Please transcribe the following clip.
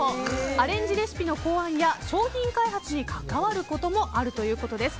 アレンジレシピの考案や商品開発に関わることもあるということです。